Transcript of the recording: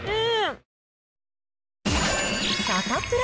サタプラ。